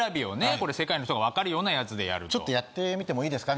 これ世界の人がわかるようなやつでやるとちょっとやってみてもいいですか？